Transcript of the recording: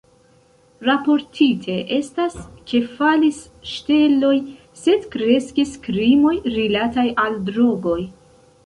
Raportite estas, ke falis ŝteloj sed kreskis krimoj rilataj al drogoj.